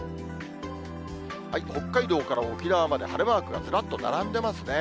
北海道から沖縄まで晴れマークがずらっと並んでますね。